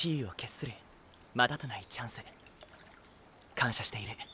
感謝している。